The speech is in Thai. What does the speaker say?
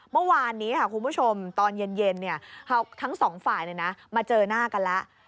เมื่อวานนี้ค่ะคุณผู้ชมตอนเย็นทั้งสองฝ่ายมาเจอหน้ากันแล้ว